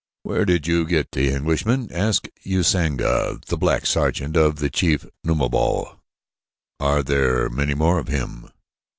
"Where did you get the Englishman?" asked Usanga, the black sergeant, of the chief Numabo. "Are there many more with him?"